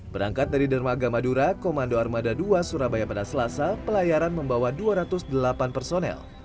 berangkat dari dermaga madura komando armada dua surabaya pada selasa pelayaran membawa dua ratus delapan personel